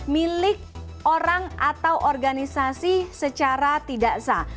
milik orang atau organisasi secara tidak sah